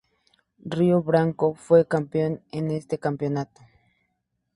Río Branco fue campeón en este campeonato.